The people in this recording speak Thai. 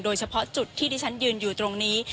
โดยเฉพาะจุดที่ที่ฉันยืนอยู่ตรงนี้